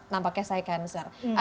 nampaknya saya cancer